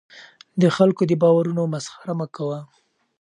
د خلکو د باورونو مسخره مه کوه.